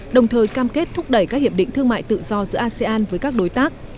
đồng thời cam kết thúc đẩy các hiệp định thương mại tự do giữa asean với các đối tác